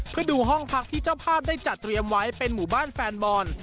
เพื่อดูห้องพักที่เจ้าภาพได้จัดเตรียมไว้เป็นหมู่บ้านแฟนบอล